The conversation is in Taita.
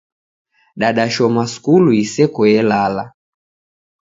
Dadashoma skulu iseko yelala